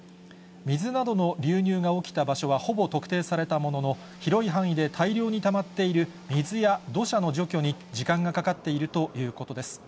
水などの流入が起きた場所はほぼ特定されたものの、広い範囲で大量にたまっている水や土砂の除去に、時間がかかっているということです。